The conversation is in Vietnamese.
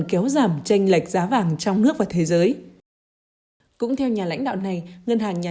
kéo giảm tranh lệch giá vàng trong nước và thế giới cũng theo nhà lãnh đạo này ngân hàng nhà